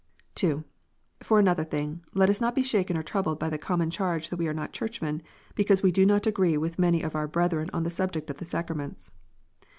(2) For another thing, let us not be shaken or troubled by the common charge that we are not Churchmen, because we do not agree with many of our brethren on the subject of the sacraments.